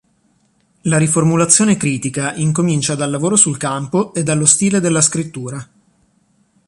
La riformulazione critica incomincia dal lavoro sul campo e dallo stile della scrittura.